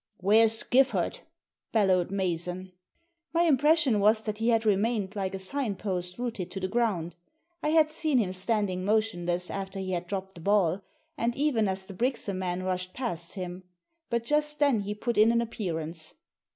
"Where's Giffard?" bellowed Mason. Digitized by VjOOQIC IS8 THE SEEN AND THE UNSEEN My impression was that he had remained like a sign post rooted to the ground. I had seen him standing motionless after he had dropped the ball, and even as the Brixham men rushed past him. But just then he put in an appearance.